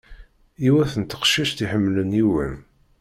Yiwet n teqcict iḥemmlen yiwen.